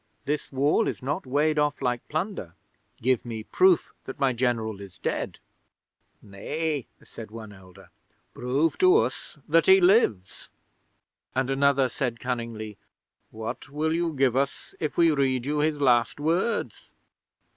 This Wall is not weighed off like plunder. Give me proof that my General is dead." '"Nay," said one elder, "prove to us that he lives"; and another said cunningly, "What will you give us if we read you his last words?"